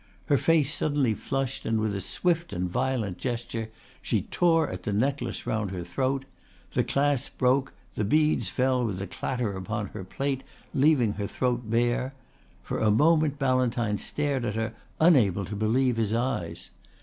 Her face suddenly flushed and with a swift and violent gesture she tore at the necklace round her throat. The clasp broke, the beads fell with a clatter upon her plate, leaving her throat bare. For a moment Ballantyne stared at her, unable to believe his eyes.